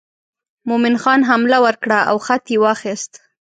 مومن خان حمله ور کړه او خط یې واخیست.